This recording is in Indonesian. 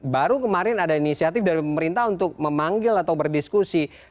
baru kemarin ada inisiatif dari pemerintah untuk memanggil atau berdiskusi